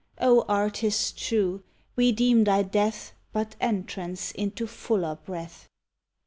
O Artist true! we deem thy death But entrance into fuller breath.